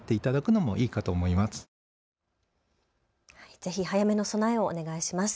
ぜひ早めの備えをお願いします。